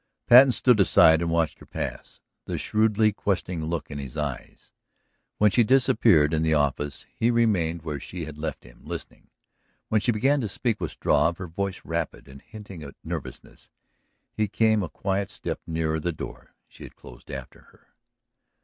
Patten stood aside and watched her pass, the shrewdly questioning look in his eyes. When she disappeared in the office he remained where she had left him, listening. When she began to speak with Struve, her voice rapid and hinting at nervousness, he came a quiet step nearer the door she had closed after her.